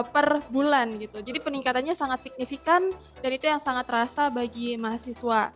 per bulan gitu jadi peningkatannya sangat signifikan dan itu yang sangat terasa bagi mahasiswa